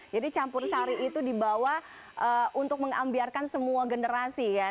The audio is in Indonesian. jadi campur sari itu dibawa untuk mengambiarkan semua generasi ya